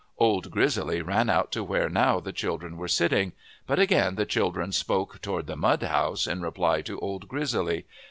Old Grizzly ran out to where now the children were sitting. But again the children spoke toward the mud house in reply to Old Grizzly.